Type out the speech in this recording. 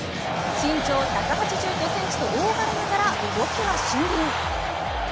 身長１８５センチと大柄ながら動きは俊敏。